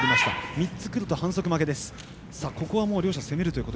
３つくると反則負けです。